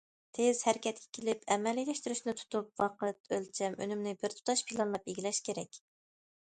تېز ھەرىكەتكە كېلىپ ئەمەلىيلەشتۈرۈشنى تۇتۇپ، ۋاقىت، ئۆلچەم، ئۈنۈمنى بىرتۇتاش پىلانلاپ ئىگىلەش كېرەك.